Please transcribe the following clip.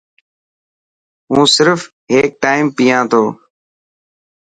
هون سرف هيڪ ٽائم پيا ٿو.